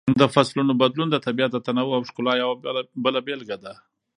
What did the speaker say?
د فصلونو بدلون د طبیعت د تنوع او ښکلا یوه بله بېلګه ده.